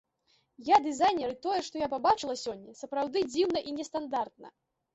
Я дызайнер і тое, што я пабачыла сёння, сапраўды дзіўна і нестандартна.